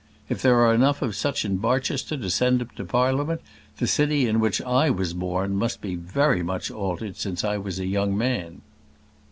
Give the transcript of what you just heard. If there are enough of such at Barchester to send him to Parliament, the city in which I was born must be very much altered since I was a young man."